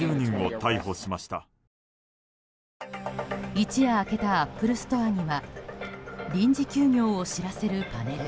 一夜明けたアップルストアには臨時休業を知らせるパネル。